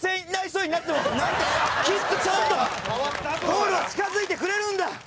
ゴールは近づいてくれるんだ！